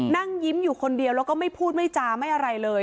นั่งยิ้มอยู่คนเดียวแล้วก็ไม่พูดไม่จาไม่อะไรเลย